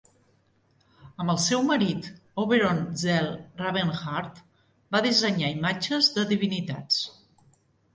Amb el seu marit Oberon Zell-Ravenheart va dissenyar imatges de divinitats.